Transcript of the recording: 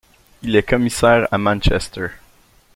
Il est commissaire à Manchester.